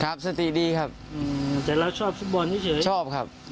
ครับสติดีครับอืมแต่เราชอบฟุตบอลเฉยเฉยชอบครับ